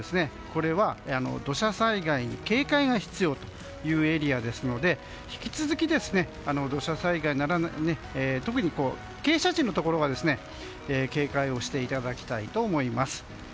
これは土砂災害に警戒が必要というエリアですので引き続き特に傾斜地のところは土砂災害に警戒をしていただきたいと思います。